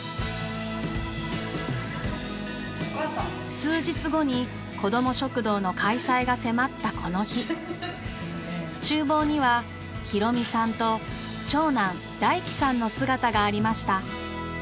数日後にこども食堂の開催が迫ったこの日厨房には浩美さんと長男大樹さんの姿がありました。